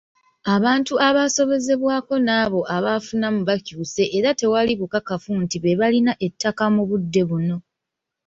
Abantu abaasobezebwako n'abo abaafunamu bakyuse era tewali bukakafu nti be balina ettaka mu budde buno.